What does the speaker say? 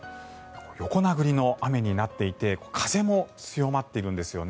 横殴りの雨になっていて風も強まっているんですよね。